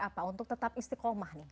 apa untuk tetap istiqomah nih